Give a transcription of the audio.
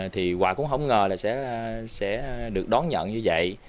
thì quà cũng không ngờ là sẽ được đón nhận như vậy